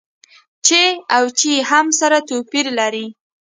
چې او چي هم توپير سره لري.